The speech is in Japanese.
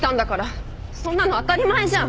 そんなの当たり前じゃん！